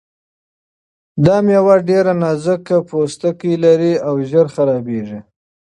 دا مېوه ډېر نازک پوستکی لري او ژر خرابیږي.